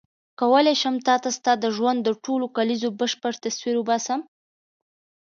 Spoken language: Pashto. کولای شم تا ته ستا د ژوند د ټولو کلیزو بشپړ تصویر وباسم.